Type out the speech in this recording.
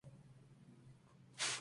Tiene una escuela básica.